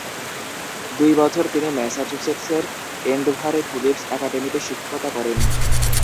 দুই বছর তিনি ম্যাসাচুসেটসের এন্ডভারে ফিলিপস একাডেমীতে শিক্ষকতা করেন।